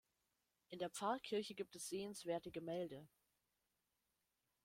In der Pfarrkirche gibt es sehenswerte Gemälde.